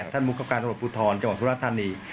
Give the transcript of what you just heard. ท่านมุจจังหวัดปุทธรจังหวัดสุราธารณี